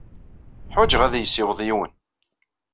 Ḥwajeɣ ad iyi-yessiweḍ yiwen.